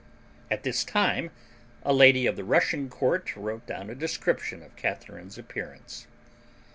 At this time a lady of the Russian court wrote down a description of Catharine's appearance.